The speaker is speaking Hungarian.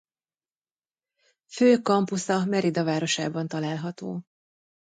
Fő campusa Mérida városában található.